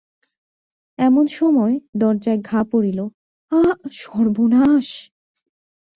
এমন সময় দরজায় ঘা পড়িল, আ সর্বনাশ!